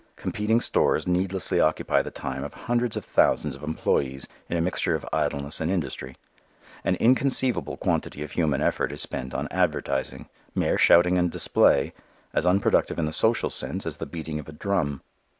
Competing stores needlessly occupy the time of hundreds of thousands of employees in a mixture of idleness and industry. An inconceivable quantity of human effort is spent on advertising, mere shouting and display, as unproductive in the social sense as the beating of a drum.